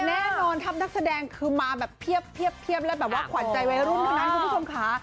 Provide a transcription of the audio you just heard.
แน่นอนทัพนักแสดงคือมาแบบเพียบแล้วแบบว่าขวัญใจวัยรุ่นเท่านั้นคุณผู้ชมค่ะ